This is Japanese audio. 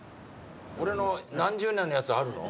俺の何十年のやつあるの？